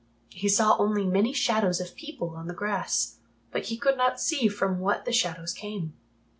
He saw only many shadows of people on the grass, but he could not see from what the shadows came.